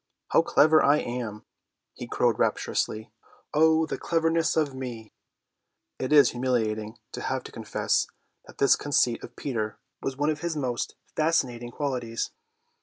"How clever I am!" he crowed rapturously, "oh, the cleverness of me!" It is humiliating to have to confess that this conceit of Peter was one of his most fascinating qualities.